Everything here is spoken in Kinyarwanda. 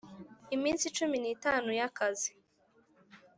iminsi cumi n itanu y akazi